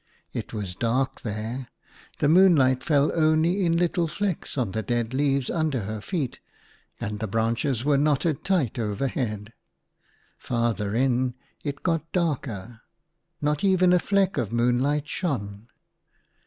It was dark there ; the IN A FAR OFF WORLD. 6i moonlight fell only in little flecks on the dead leaves under her feet, and the branches were knotted tight overhead. Farther in it got darker, not even a fleck of moonlight shone.